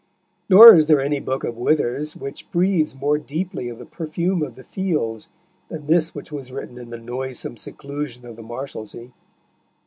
Nor is there any book of Wither's which breathes more deeply of the perfume of the fields than this which was written in the noisome seclusion of the Marshalsea.